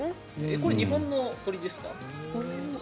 これは日本の鳥ですか？